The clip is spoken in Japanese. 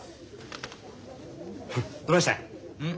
どないしたん？